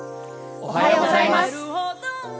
おはようございます。